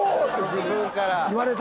自分から。